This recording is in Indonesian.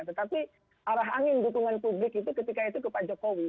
tetapi arah angin dukungan publik itu ketika itu ke pak jokowi